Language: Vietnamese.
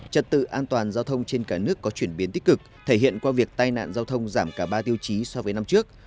trật tự an toàn giao thông trên cả nước có chuyển biến tích cực thể hiện qua việc tai nạn giao thông giảm cả ba tiêu chí so với năm trước